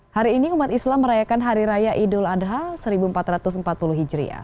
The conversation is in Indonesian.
hari ini umat islam merayakan hari raya idul adha seribu empat ratus empat puluh hijriah